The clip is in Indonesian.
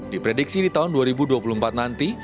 diprediksi di tahun dua ribu dua puluh empat nanti